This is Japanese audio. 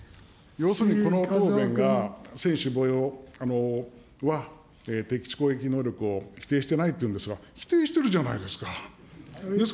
要するに、この答弁は、専守防衛の敵基地攻撃能力を否定してないというんですが、否定してるじゃないですか。